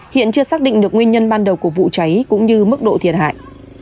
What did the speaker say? hiện chưa xác định được nguyên nhân ban đầu của vụ cháy cũng như mức độ thiệt hại